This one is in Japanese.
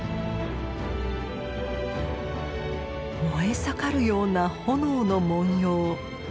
燃え盛るような炎の文様。